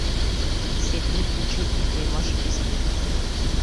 Седни учи, утре имаш испит.